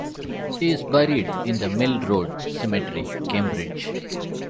He is buried in the Mill Road cemetery, Cambridge.